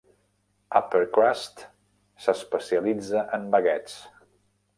Upper Crust s'especialitza en baguetes.